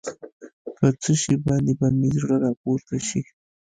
په څه شي باندې به مې زړه راپورته شي.